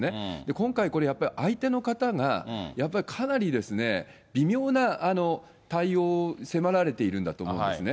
今回、これやっぱり、相手の方がやっぱりかなり微妙な対応を迫られているんだと思うんですね。